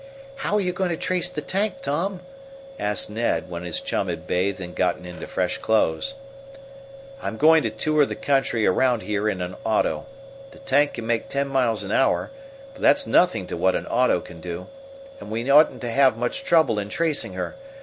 "How are you going to trace the tank, Tom?" asked Ned, when his chum had bathed and gotten into fresh clothes. "I'm going to tour the country around here in an auto. The tank can make ten miles an hour, but that's nothing to what an auto can do. And we oughtn't to have much trouble in tracing her.